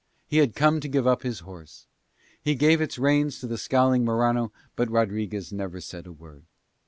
He had come to give up his horse. He gave its reins to the scowling Morano but Rodriguez said never a word.